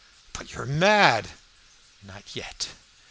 "But you are mad!" "Not yet."